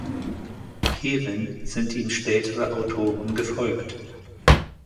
Hierin sind ihm spätere Autoren gefolgt.